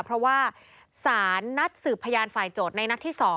เพราะว่าสารนัดสืบพยานฝ่ายโจทย์ในนัดที่๒